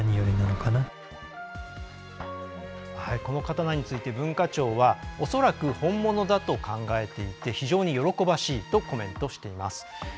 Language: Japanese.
この刀について、文化庁は「恐らく本物だと考えていて非常に喜ばしい」とコメントしています。